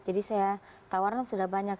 jadi saya tawaran sudah banyak